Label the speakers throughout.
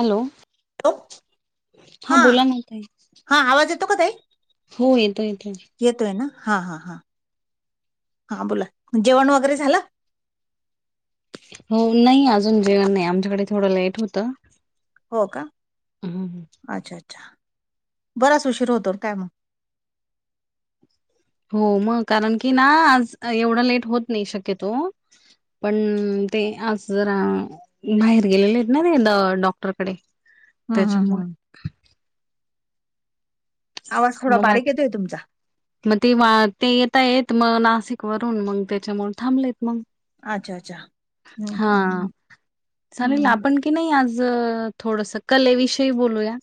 Speaker 1: Hello,
Speaker 2: hello
Speaker 1: हा बोला ना ताई.
Speaker 2: हा आवाज येतो का ताई?
Speaker 1: हो येतोय येतोय.
Speaker 2: येतोय ना. हां हां हां हां बोला. जेवण वगैरे झालं?
Speaker 1: हो नाही आजून जेवण नाही. आमच्याकडे थोडं लेट होतं.
Speaker 2: हो का?
Speaker 1: हम्म.
Speaker 2: अच्छा अच्छा बराच उशीर होतो काय मग?
Speaker 1: हो मग. कारण की ना आज एवढा लेट होत नाही शक्यतो पण ते आज जरा बाहेर गेलेलेयत ना ते. द डॉक्टरकडे.
Speaker 2: ह, ह,
Speaker 1: त्याच्यामुळे
Speaker 2: ह. आवाज थोडा बारीक येतोय तुमचा.
Speaker 1: म ते ते येतायेत म नासिक वरून. मग तेच्यामुळ थांबलेत मग.
Speaker 2: अच्छा अच्छा हम्म
Speaker 1: हा
Speaker 2: हम्म हम्म
Speaker 1: चालेल
Speaker 2: हम्म.
Speaker 1: आपण की नाही आज, थोडस कलेविषयी बोलूया.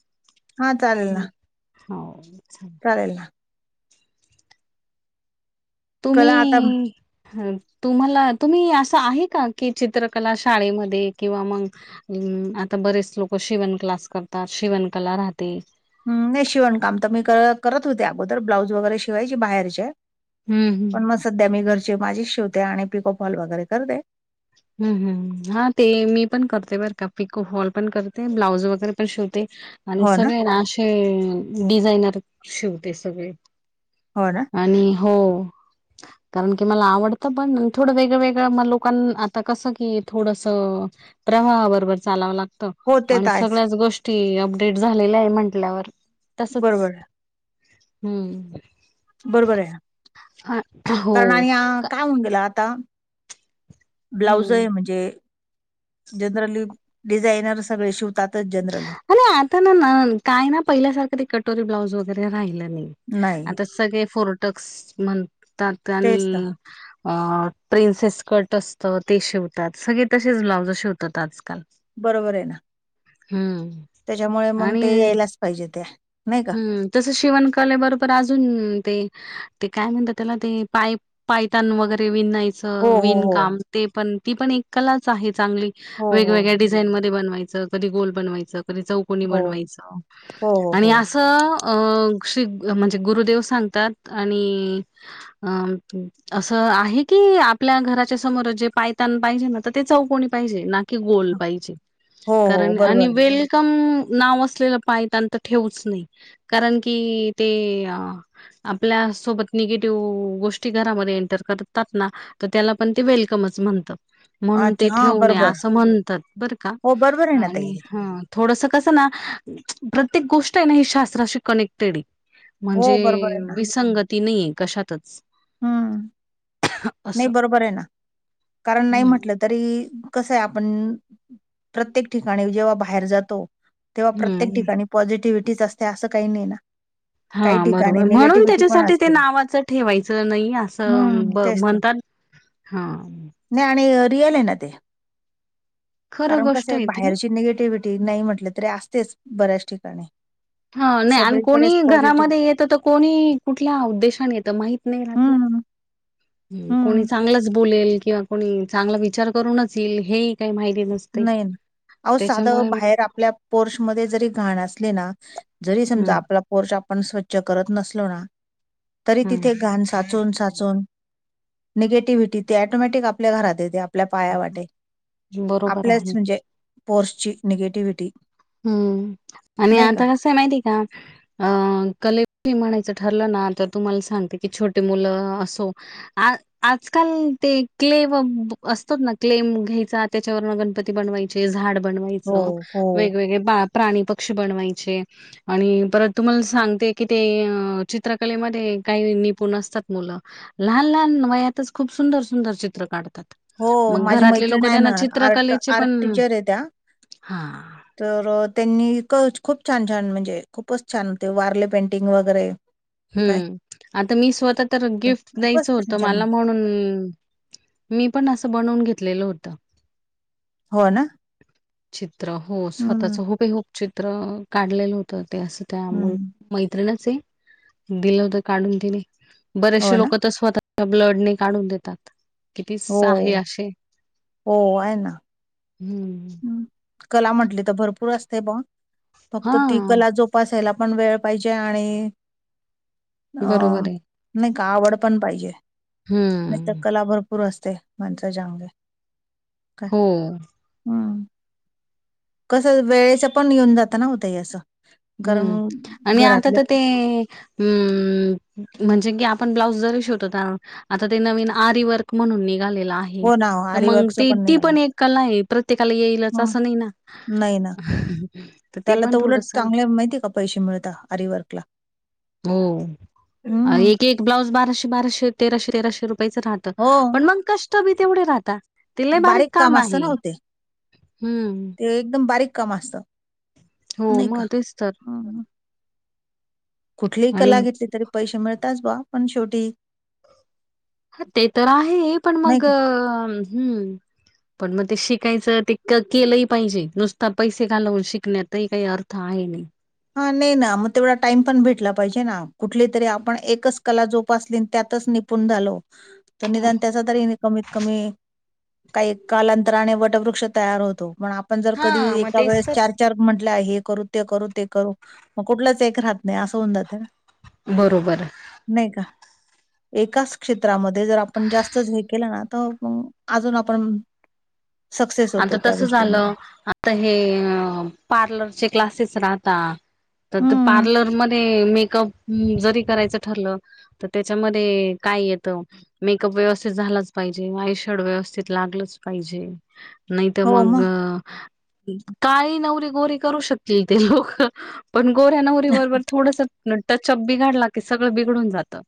Speaker 2: हा चालेल ना.
Speaker 1: हाव चालेल.
Speaker 2: चालेल ना.
Speaker 1: तुम्ही
Speaker 2: कला आता
Speaker 1: तुम्हाला तुम्ही असं आहे का? कि चित्रकला शाळेमध्ये किंवा मग अम् आता बरेच लोक शिवण क्लास करतात. शिवण कला राहते.
Speaker 2: हम्म. नाही शिवण काम त मी करत होते अगोदर. ब्लाऊज वगैरे शिवायची बाहेरचे.
Speaker 1: हम्म हम्म.
Speaker 2: पण मग सध्या मी घरचे माझेच शिवते. आणि पिकअप हॉल वगैरे करते.
Speaker 1: हम्म हम्म हम्म हा ते मी पण करते बरं का. पिको फॉल पण करते, ब्लाऊज वगैरे पण शिवते. आणि सगळे ना असे, डिझायनर शिवते सगळे.
Speaker 2: हो ना.
Speaker 1: आणि हो. कारण की मला आवडतं पण, थोडं वेगळं वेगळं म लोकां आता कसं की थोडस प्रवाहाबरोबर चालावं लागत.
Speaker 2: हो ते
Speaker 1: आणि
Speaker 2: तर आहेच
Speaker 1: सगळ्याच गोष्ट टी अपडेट झालेल्याय म्हंटल्यावर तसच.
Speaker 2: बरोबर आहे बरोबरे.
Speaker 1: हा,
Speaker 2: कारण
Speaker 1: हो
Speaker 2: आणि
Speaker 1: का
Speaker 2: काय होऊन गेला आता.
Speaker 1: हम्म
Speaker 2: ब्लाऊजय म्हणजे? जनरली डिझायनर सगळे शिवतातच जनरली.
Speaker 1: अ आता ना काय ना पहिल्यासारखं ती कटोरी ब्लाउज वगैरे राहिलं नाही.
Speaker 2: नाही
Speaker 1: आता सगळे फोर्टक्स म्हणतात. आणि
Speaker 2: तेच तर
Speaker 1: अ प्रिन्सेस स्कट असत ते शिवतात. सगळे तसेच ब्लाउज शिवतात. आजकाल.
Speaker 2: बरोबरे ना.
Speaker 1: हम्म.
Speaker 2: त्याच्यामुळे मग ते
Speaker 1: आणि
Speaker 2: यायलाच पाहिजे ते. नाही का
Speaker 1: हम्म. तस शिवण कले बरोबर अजून ते. ते काय म्हणतात त्याला ते पाय पायताण वगैरे विनाय च
Speaker 2: हो हो
Speaker 1: विणकाम
Speaker 2: हो
Speaker 1: ते पण ती पण एक कलाच आहे चांगली.
Speaker 2: हो
Speaker 1: वेगवेगळ्या
Speaker 2: हो
Speaker 1: डि झाईन मध्ये बनवायचं. कधी गोल बनवायचं. कधी चौकोनी
Speaker 2: हो
Speaker 1: बनवायचं.
Speaker 2: हो हो
Speaker 1: आणि अस अ
Speaker 2: हो
Speaker 1: श्री म्हणजे गुरुदेव सांगतात आणि आ अम - असं आहे की आपल्या घराच्या समोरच जे पायतान पाहिजे ना तर ते चौकणी पाहिजे ना गोल पाहीजे
Speaker 2: हो हो
Speaker 1: कारण आणि
Speaker 2: बरोबर
Speaker 1: वेल कम नाव असलेलं पायतन ठेवूच नाही कारण की ते आपल्या सोबत निगेटिव्ह गोष्टी घरामध्ये एंटर करतात ना आता त्याला पण ते वेलकमच म्हणत. म्हणून
Speaker 2: अच्छा
Speaker 1: ते
Speaker 2: हा
Speaker 1: ठेव नये
Speaker 2: बरोबर
Speaker 1: असं म्हणतात बर का
Speaker 2: हो बरोबर आहे ना ताई
Speaker 1: आणि थोडस कसं ना प्रत्येक गोष्ट आहे ना ही शास्त्राशी कनेक्टेड आय.
Speaker 2: हो
Speaker 1: म्हणजे
Speaker 2: बरोबर आहे ना
Speaker 1: विसंगती नाहीे कशातच.
Speaker 2: हम्म
Speaker 1: अस
Speaker 2: नाही बरोबर आहे ना कारण नाही
Speaker 1: हम्म
Speaker 2: म्हटलंत. तरी कसं आहे आपण प्रत्येक ठिकाणी जेव्हा बाहेर जातो. तेव्हा प्रत्येक
Speaker 1: हम्म
Speaker 2: ठिकाणी पॉझिटिव्हिटीच असते असं काही नाही ना.
Speaker 1: हा
Speaker 2: काही ठिकाणी
Speaker 1: बरोबर म्हणून
Speaker 2: निगेटिव्हिटी पण
Speaker 1: त्याच्यासाठी ते
Speaker 2: असते
Speaker 1: नावाच ठेवायचं नाही असं
Speaker 2: हम्म
Speaker 1: ब
Speaker 2: तेच ना
Speaker 1: म्हणतात ह
Speaker 2: नाही आणि रिअल आहे ना ते
Speaker 1: खरं
Speaker 2: कारण
Speaker 1: गोष्ट
Speaker 2: कसे
Speaker 1: आहे ती
Speaker 2: बाहेरची निगेटिव्हटी. टी नाही म्हटलं तरी असतेच बऱ्याच ठिकाणी.
Speaker 1: हा नाही आणि
Speaker 2: सगळीकडेच
Speaker 1: कोणी
Speaker 2: पॉझिटिव्ह
Speaker 1: घरामध्ये येत तर कोणी कुठल्या उद्देशाने येतं माहित नाही राहत ना.
Speaker 2: हं,
Speaker 1: ह कोणी
Speaker 2: हं.
Speaker 1: चांगलंच बोलेल किंवा. कोणी चांगला विचार करूनच येईल हे ही काही माहिती नस.
Speaker 2: नाही ना आवो साधं बाहेर आप आपल्या पोर्श मध्ये जरी घाण असले ना जरी समजा
Speaker 1: हम्म
Speaker 2: आपला. पोर्च आपण स्वच्छ करत नसलो ना तरी
Speaker 1: हम्म
Speaker 2: तिथे घाण साचून साचून निगेटिव्हिटी ते ॲटोमॅटिक आपल्या घरात येते आपल्या पाया वाटे.
Speaker 1: बरोबर
Speaker 2: आपल्याच
Speaker 1: आहे
Speaker 2: म्हणजे पोर्सची निगेटिव्हिटी.
Speaker 1: हम्म आणि
Speaker 2: नाही का?
Speaker 1: आता कसं आहे माहितीय का? अ कले म्हणायचं ठरलं ना तर तुम्हाला सांगतो की छोटी मुलं असो. आ. आजकाल ते क्ले वब असतोत ना क्लेम घ्यायचा त्याच्यावरन गणपती बनवायचे झाड ब बनवायच
Speaker 2: हो, हो.
Speaker 1: वेगवेगळे पा प्राणी पक्षी बनवायचे. आणि परत तुम्हाला सांगते की ते अ चित्रकलेमध्ये काही निपुण असतात मुलं. लहान लहान वयातच खूप सुंदर सुंदर चित्र काढतात.
Speaker 2: हो
Speaker 1: मग
Speaker 2: माझी
Speaker 1: घरातले
Speaker 2: मैत्रीण
Speaker 1: लोकं
Speaker 2: आहे ना
Speaker 1: त्यांना
Speaker 2: आर्ट
Speaker 1: चित्रकलेचे
Speaker 2: आर्ट
Speaker 1: पण
Speaker 2: टीचर आहे त्या.
Speaker 1: हां.
Speaker 2: तर त्यांनी इकच खूप छान छान म्हणजे खूपच छान ते वारले पेंटिंग वगैरे. काय
Speaker 1: हम्म आता मी स्वतः तर गिफ्ट
Speaker 2: खूपच
Speaker 1: द्यायचं
Speaker 2: छान
Speaker 1: होतं
Speaker 2: छान
Speaker 1: माला म्हणून. मी पण असं बनवून घेतलेलं होतं.
Speaker 2: हो ना.
Speaker 1: चित्र हो
Speaker 2: हं,
Speaker 1: स्वतःच हुबेहुब चित्र काढलेलं हो तर ते असं त्या मुल
Speaker 2: हं.
Speaker 1: मैत्रिणच आहे. दिलं होत काढून तिने
Speaker 2: हो
Speaker 1: बरेचसे
Speaker 2: ना?
Speaker 1: लोक तर स्वतः ब्लडने काढून देतात. किती
Speaker 2: हो,
Speaker 1: सहाय्य अशे हम्म.
Speaker 2: हम्म कला म्हटली तर भरपूर असते बुवा फक्त ती
Speaker 1: हां.
Speaker 2: कला जोप पसायला पण वेळ पाहिजे आणि अ.
Speaker 1: बरोबर आहे.
Speaker 2: नही का आवड पण पाहिजे निस्त
Speaker 1: हं.
Speaker 2: कला भरपूर असते माणसाच्या अंगात.
Speaker 1: हो.
Speaker 2: हम्म, कस वेळेच पण येऊन जात ना हो ताई अस.
Speaker 1: हम्म आणि आता तर ते. हम्म, म्हणजे की आपण ब्लाउज जरी शिवतो तार आता ते नवीन आरी वर्क. म्हणून निघालेला आहे.
Speaker 2: हो ना,
Speaker 1: तर मंग
Speaker 2: आरीवर्कचं
Speaker 1: ते ती
Speaker 2: निघालं.
Speaker 1: पण एक कला आहे प्रत्येकाला येईलच
Speaker 2: हं.
Speaker 1: असं नही ना.
Speaker 2: नाही ना.
Speaker 1: तर ते
Speaker 2: त्याला
Speaker 1: पण
Speaker 2: उलट
Speaker 1: थोडस.
Speaker 2: चांगले तर माहिती आहे का प पैसे मिळता आरिवर्कला.
Speaker 1: हो. अ एक एक ब्लाऊज बाराशे बाराशे तेराशे तेराशे रुपयाचं राहतं
Speaker 2: हो
Speaker 1: पण मंग कश त बी तेवढे राहता ते लई बारीक काम
Speaker 2: असतं
Speaker 1: आहे
Speaker 2: ना हो ते
Speaker 1: हम्म.
Speaker 2: ते एकदम बारीक काम असतं.
Speaker 1: हो
Speaker 2: नाही का
Speaker 1: मग तेच तर.
Speaker 2: हम्म. कुठलीही
Speaker 1: आणि
Speaker 2: कला घेतली तरी पैसे मिळताच बवा पण शेवटी.
Speaker 1: ह ते तर आहे पण
Speaker 2: नाही
Speaker 1: मग
Speaker 2: का
Speaker 1: हम्म.
Speaker 2: [inaudible]
Speaker 1: पण मग ते शिकायचं ते क केलंही पाहिजे नुसता पैसे घालवून शिकण्यातही काही अर्थ आहे नाही.
Speaker 2: हा नाही ना मग तेवढा टाइम पण भेटला पाहिजे ना कुठली तरी आपण एकच कला जोपासली अन त्यातच निप पुण दालो तर निदान त्याचा तरीनी कमीत कमी काही कालांतराने वटवृक्ष तयार होतो पण आप पण जर कधी
Speaker 1: हा मग
Speaker 2: एका
Speaker 1: तेच
Speaker 2: वेळेस
Speaker 1: तर.
Speaker 2: चार चार म्हंटला हे करू ते करू ते करू मग कुठलच एक राहत नाही असं होऊन जात ना.
Speaker 1: बरोबर.
Speaker 2: नही का. एकाच क्षेत्रामध्ये जर आपण जास्तच हे केलं ना तर मंग आजून आपण सक्सेस
Speaker 1: आता
Speaker 2: होतो त्या
Speaker 1: तस
Speaker 2: गोष्टीमध्ये.
Speaker 1: झालं आता हे अ पार्लरचे क्लासेस राहता. तर ते
Speaker 2: हं,
Speaker 1: पार्लर मध्ये मेकअप उम्म जरी करायचं ठरलं तर त्याच्यामध्ये काय येतं. मेकअप व्यवस्थित झालाच पाहिजे आयशाडो व्यवस्थित लागलंच पाहिजे. नही तर मग काळी नवरी गोरी करू शकतील ते लोक. पण गोऱ्या नवरी बरोबर थोडस न टचअप बिघाडला की सगळं बिघडून जातं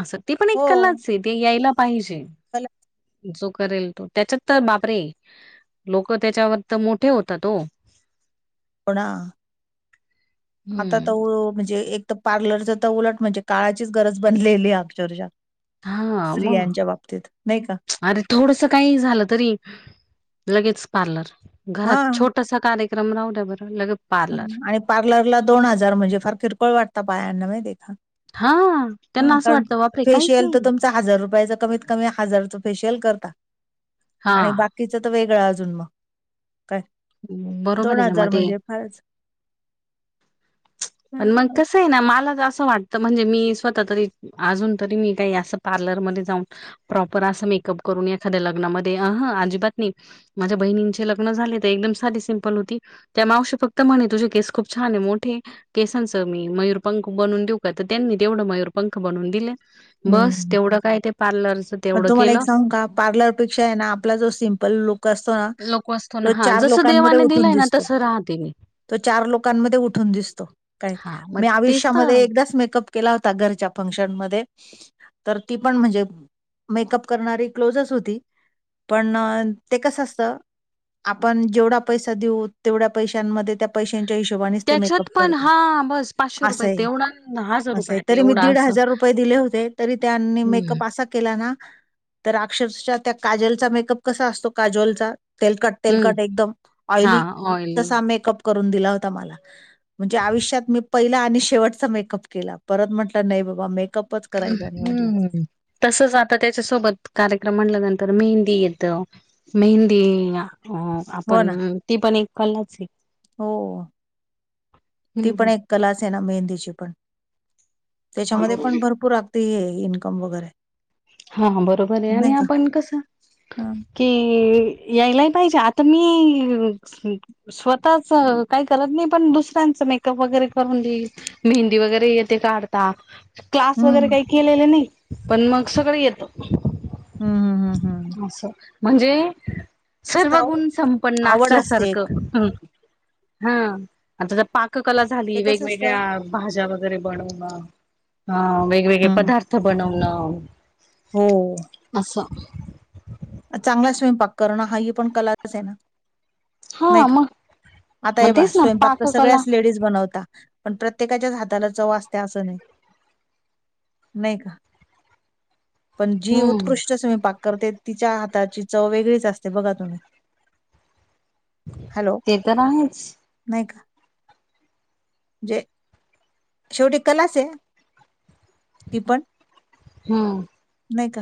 Speaker 1: असं. ती पण एक
Speaker 2: हो,
Speaker 1: कलाच आहे ती यायला पाहिजे
Speaker 2: कला
Speaker 1: जो करेल तो त्याच्यात तर बापरे. लोक त्याच्यावर तर मोठे होतात हो.
Speaker 2: पुणा. आता तर
Speaker 1: हम्म
Speaker 2: म्हणजे एक तर पार्लरच तर उलट म्हणजे काळाचीच गरज बनलेली अक्षरशा.
Speaker 1: हा मग
Speaker 2: स्त्रियांच्या बाबतीत नाही का.
Speaker 1: अरे थोडस काही झालं तरी लगेच पार्लर घरात
Speaker 2: हां,
Speaker 1: छोटस कार विक्रमराव डाबर लग
Speaker 2: आणि पार्लरला दोन हजार म्हणजे फार किरकोळ वाटत बायांना माहिती आहे का.
Speaker 1: हा त्यांना असं वाटतं बापरे काहीच नाही
Speaker 2: च हजार रुपयाच कमीत हजारच फेशियल करता
Speaker 1: हा
Speaker 2: आणि बा तिच तर वेगळं अजून मग काय
Speaker 1: बरोबर
Speaker 2: दोन
Speaker 1: आहे ना मग
Speaker 2: हजार
Speaker 1: ते
Speaker 2: म्हणजे [inaudible]
Speaker 1: मन मंकस. आहे ना मला तर असं वाटत म्हणजे मी स्वतः तरी अजून तरी मी काही असं पार्लरमध्येध्ये जाऊन. प्रॉपर असं मेकअप करून एखाद्या लग्नामध्ये अहं अजिबात नाही माझ्या बहिणींचे लग्न झाले त एकदम साधी सिम्पल होती त्या मावशी फक्त म्हणे तुझे केस खूप छान ये मोठे केसांचं मी मयूर पंख बनून देऊ का त त्यांनी तेवढं मयूरपंख बनवून दिले. बस
Speaker 2: हं,
Speaker 1: तेवढं काय ते पार्लरच
Speaker 2: पण
Speaker 1: तेवढं
Speaker 2: तुम्हाला एक
Speaker 1: केलं
Speaker 2: सांगू का पार्लर पेक्षाना आपला जो सिम्पल लुक करतो ना
Speaker 1: लोक असतो ना
Speaker 2: तो
Speaker 1: हा
Speaker 2: चार
Speaker 1: जसं
Speaker 2: लोकांमध्ये
Speaker 1: देवाने
Speaker 2: उठून
Speaker 1: दिलंय ना
Speaker 2: दिसतो.
Speaker 1: तसं राहते मी
Speaker 2: तो चार लोकांमध्ये उठून दिसतो काय
Speaker 1: हा मग
Speaker 2: मी
Speaker 1: तेच तर
Speaker 2: आयुष्यामध्ये एकदाच मेकअप केला होता घरच्या फंक्शन मध्ये तर ती पण म्हणजे मेकअप करणारी क्लोजच होती पण ते कसं असतं आपण जेवढा पैसा देऊ तेवढ्या पैशांमध्ये त्या पैशांच्या हिशोबानेच ते मेकअप
Speaker 1: त्याच्यात पण
Speaker 2: करतात
Speaker 1: हा बस पाचशे रुपये
Speaker 2: असाय
Speaker 1: तेवढा हजार
Speaker 2: असंय
Speaker 1: रुपयात
Speaker 2: तरी मी
Speaker 1: एवढा
Speaker 2: दीड
Speaker 1: असं
Speaker 2: हजार रुपये दिले होते तरी त्यांनी
Speaker 1: हम्म
Speaker 2: मेकअप असा केला ना तर अक्षरच्या त्या काजलचा मेकअप कसा असतो काजोलचा तेलकट
Speaker 1: हम्म
Speaker 2: तेलकट एकदम
Speaker 1: हा
Speaker 2: ऑइली
Speaker 1: ऑइली
Speaker 2: तसा मेकअप करून दिला होता मला म्हणजे आयुष्यात मी पहिला आणि शेवटचा मेकअप केला परत म्हटलं नाही बाबा मेकअपच करायचा नाही म्हटलं
Speaker 1: हम्म तसच आता त्याच्यासोबत कार्यक्रम म्हणल्यानंतर मेहंदी येतं मेहंदी अं..
Speaker 2: हो ना
Speaker 1: आपण ती पण एक कलाच ए
Speaker 2: हो ती
Speaker 1: हम्
Speaker 2: पण
Speaker 1: ह्
Speaker 2: एक कलाच आहे ना मेहंदीची पण त्याच्यामध्ये
Speaker 1: बरोबर
Speaker 2: पण भरपूर आ ते इन्कम वगैरे
Speaker 1: हा हा बरोबर आहे आणि
Speaker 2: नाही का
Speaker 1: आपण कसं
Speaker 2: हं.
Speaker 1: कि यायलाय पाहिजे आता मी स्वतःच काही करत नाही पण दुसऱ्यांचं मेकअप वगैरे करून देईल मेहंदी वगैरे येतेे काढता क्लास
Speaker 2: हं,
Speaker 1: वगैरे
Speaker 2: हं,
Speaker 1: काही केलेले नाही पण मग सगळं येतं
Speaker 2: हम्
Speaker 1: असं म्हणजे
Speaker 2: असतं अहो,
Speaker 1: सर्वगुण संपन्न
Speaker 2: आवड असते एक
Speaker 1: असल्यासारखं हम् हं आता पा क कला
Speaker 2: ते
Speaker 1: झाली
Speaker 2: कसं असतं
Speaker 1: वेगवेगळ्या भाज्या वगैरे बनवणं ह वेगवेगळे
Speaker 2: हं.
Speaker 1: पदार्थ बनवणं
Speaker 2: हो
Speaker 1: असं
Speaker 2: चांगला स्वयंपाक करणं हा ही पण कलाच ए ना
Speaker 1: हा
Speaker 2: नाही का?
Speaker 1: मग..
Speaker 2: आता हे
Speaker 1: मग
Speaker 2: पहा
Speaker 1: तेच ना
Speaker 2: स्वयंपाक तर
Speaker 1: पाककला
Speaker 2: [unintelligible] बनवता पण प्रत्येकाच्या हाताला चव असते असं नाही नाही का.. पण जी
Speaker 1: हम्म
Speaker 2: उत्कृष्ट स्वयंपाक करते तिच्या हाताची चव वेगळीच असते बघा तुम्ही.. हॅलो
Speaker 1: ते तर आहेच
Speaker 2: नाही का जे शेवटी कलाच आहे ती पण
Speaker 1: हम्म
Speaker 2: नाही का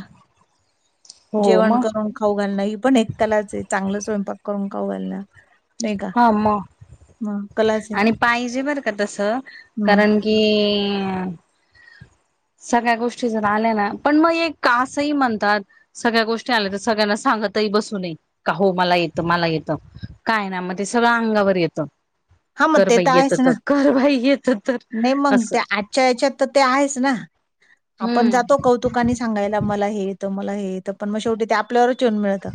Speaker 1: हो
Speaker 2: जेवण
Speaker 1: मग
Speaker 2: करून खाऊ घालणार ही पण एक कलाच आहे चांगलं स्वयंपाक करून खाऊ घालणं. नाही का?
Speaker 1: हा मग
Speaker 2: कलाच आहे.
Speaker 1: आणि पाहिजे बर का तस
Speaker 2: मग
Speaker 1: कारण किईईई सगळ्या गोष्टी जर आल्या ना पण मग असंही म्हणतात. सगळ्या गोष्टी आल्या तर सगळ्यांना सांगतही बसून नये का हो मला येतं मला येतं. काय ना मग ते सगळं अंगावर येतं.
Speaker 2: हां, मग
Speaker 1: कर
Speaker 2: ते
Speaker 1: बाई येत
Speaker 2: आहेच ना.
Speaker 1: तर कर बाई येत तर.. असं.
Speaker 2: त्या हच्यात तर ते आहेच ना आपण
Speaker 1: हम्म
Speaker 2: जातो क कौतुकाने सांगायला मला हे येतं मला हे येतं पण मग शेवटी ते आपल्यावरच येेऊन मिळतं.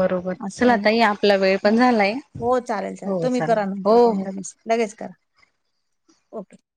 Speaker 1: बरोबर
Speaker 2: असं
Speaker 1: चला
Speaker 2: आहे
Speaker 1: आता
Speaker 2: ना.
Speaker 1: आपला वेळ
Speaker 2: हो,
Speaker 1: पण झालाय
Speaker 2: हो, चालेल,
Speaker 1: हो
Speaker 2: तुम्ही
Speaker 1: चालेल
Speaker 2: करा नंतर
Speaker 1: हो
Speaker 2: पण
Speaker 1: हो.
Speaker 2: लगेच करा ओके.